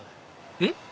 えっ？